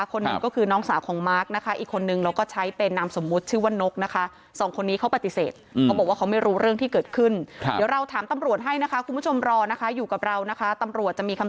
คนหนึ่งก็คือน้องสาวของมาร์คนะคะอีกคนนึงเราก็ใช้เป็นนามสมมุติชื่อว่านกนะคะ